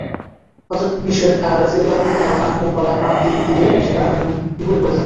হযরত বিশর রাযিয়াল্লাহু আনহু গলায় হাত দিয়ে উঠে দাঁড়ান এবং ঘুরে পড়ে যান।